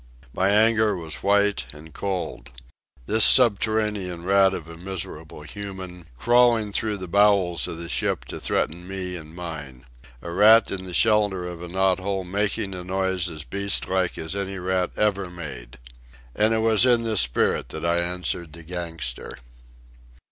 My anger was white and cold. This subterranean rat of a miserable human, crawling through the bowels of the ship to threaten me and mine! A rat in the shelter of a knot hole making a noise as beast like as any rat ever made! And it was in this spirit that I answered the gangster.